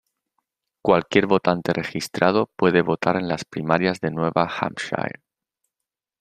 Cualquier votante registrado puede votar en las primarias de Nueva Hampshire.